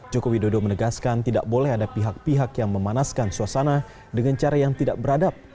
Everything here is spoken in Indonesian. joko widodo menegaskan tidak boleh ada pihak pihak yang memanaskan suasana dengan cara yang tidak beradab